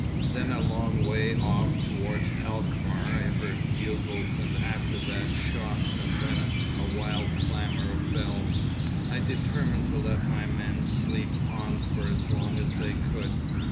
Then a long way off towards Alkmaar I heard bugles, and after that shots, and then a wild clamour of bells. I determined to let my men sleep on for as long as they could....